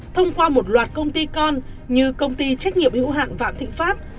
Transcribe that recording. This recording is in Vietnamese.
thông qua một loạt công ty con như công ty trách nhiệm hữu hạn vạn thịnh pháp